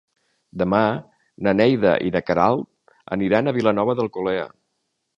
Demà na Neida i na Queralt aniran a Vilanova d'Alcolea.